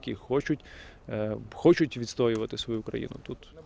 kita butuh kemampuan orang orang yang ingin menahan ukraina